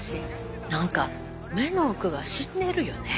何か目の奥が死んでるよね。